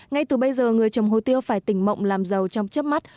ngay từ bây giờ người trồng hồ tiêu phải tỉnh mộng làm giàu trong chấp mắt